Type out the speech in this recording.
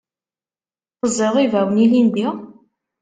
Teẓẓiḍ ibawen ilindi?